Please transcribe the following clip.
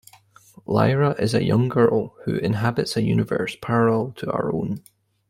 Lyra is a young girl who inhabits a universe parallel to our own.